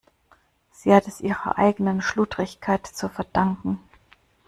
Sie hat es ihrer eigenen Schludrigkeit zu verdanken.